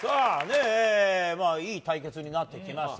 いい対決になってきました。